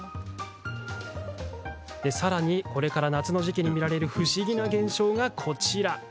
さらに、これから夏の時期に見られる不思議な現象が、こちら。